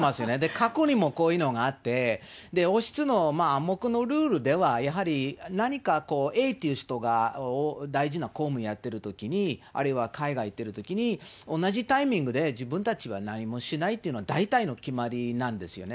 過去にもこういうのがあって、王室の暗黙のルールでは、やはり何かこう、Ａという人が大事な公務やってるときに、あるいは海外行ってるときに、同じタイミングで自分たちは何もしないというのは、大体の決まりなんですよね。